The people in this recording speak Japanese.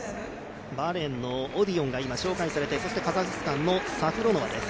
バーレーンのオディオンが紹介されてカザフスタンのサフロノワです。